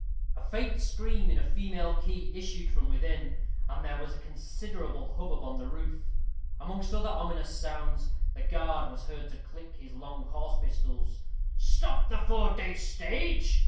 A faint scream in a female key issued from within, and there was a considerable hubbub on the roof. Amongst other ominous sounds, the guard was heard to click his long horse pistols. "Stop the York four day stage!"